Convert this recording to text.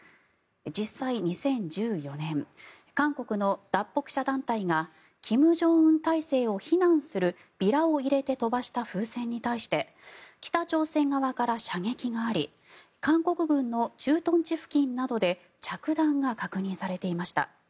実際、２０１４年韓国の脱北者団体が金正恩体制を非難するビラを入れて飛ばした風船に対して北朝鮮側から射撃があり韓国軍の駐屯地付近などで着弾が確認されていました。